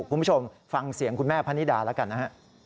คุณผู้ชมฟังเสียงคุณแม่พะนิดาแล้วกันนะฮะ